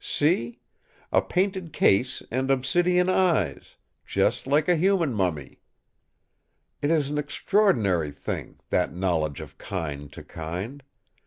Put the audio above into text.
See! A painted case and obsidian eyes—just like a human mummy. It is an extraordinary thing, that knowledge of kind to kind.